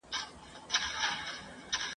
ښار له مځکي سره سم دی هدیره ده ..